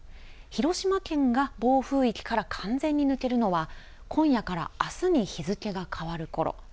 広島県が暴風域から完全に抜けるのは、今夜からあすに日付が変わるころ。